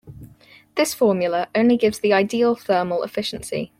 This formula only gives the ideal thermal efficiency.